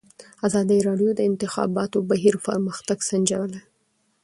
ازادي راډیو د د انتخاباتو بهیر پرمختګ سنجولی.